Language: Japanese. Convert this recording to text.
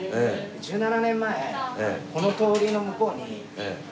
１７年前この通りの向こうに。